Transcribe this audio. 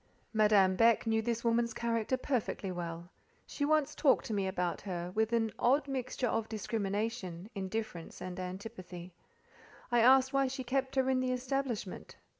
Madame Beck knew this woman's character perfectly well. She once talked to me about her, with an odd mixture of discrimination, indifference, and antipathy. I asked why she kept her in the establishment.